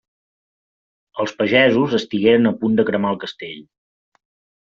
Els pagesos estigueren a punt de cremar el castell.